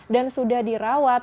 dan sudah dirawat